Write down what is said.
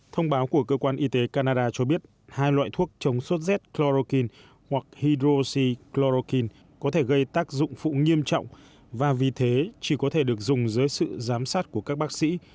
thông báo của cơ quan y tế canada cho biết hai loại thuốc chống sốt z chlorokin hoặc hydroxi chlorokin có thể gây tác dụng phụ nghiêm trọng và vì thế chỉ có thể được dùng dưới sự giám sát của các bác sĩ